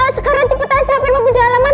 sekarang cepetan siapin mobil di alaman